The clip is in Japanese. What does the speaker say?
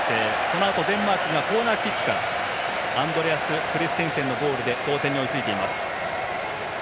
そのあと、デンマークがコーナーキックからアンドレアス・クリステンセンのゴールで同点に追いついています。